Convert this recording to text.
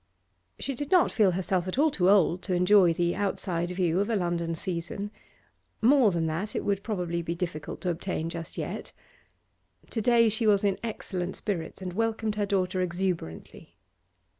She did not feel herself at all too old to enjoy the outside view of a London season; more than that it would probably be difficult to obtain just yet. To day she was in excellent spirits, and welcomed her daughter exuberantly.